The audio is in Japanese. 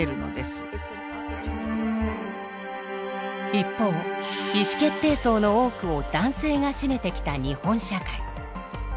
一方意思決定層の多くを男性が占めてきた日本社会。